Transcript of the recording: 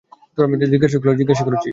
যা জিজ্ঞাসা করার ছিলো জিজ্ঞাসা করেছিস?